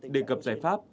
đề cập giải pháp